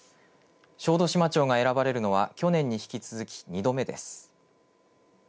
小豆島町が選ばれるのは去年に引き続き２度目です。